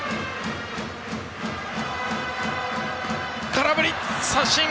空振り三振。